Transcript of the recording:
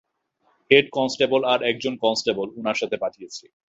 Head constable আর একজন constable, উানার সাথে পাঠিয়েছি।